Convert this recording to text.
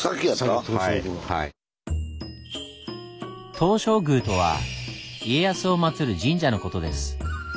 「東照宮」とは家康をまつる神社の事です。